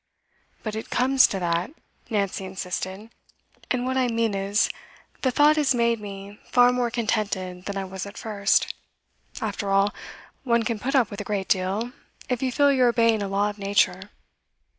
'But it comes to that,' Nancy insisted. 'And what I mean is, that the thought has made me far more contented than I was at first. After all, one can put up with a great deal, if you feel you're obeying a law of Nature.